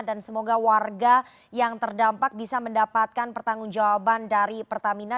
dan semoga warga yang terdampak bisa mendapatkan pertanggung jawaban dari pertamina